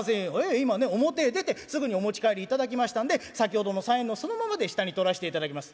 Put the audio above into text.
今ね表へ出てすぐにお持ち帰りいただきましたんで先ほどの３円のそのままで下に取らせていただきます」。